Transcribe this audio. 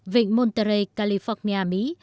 vịnh monterey california mỹ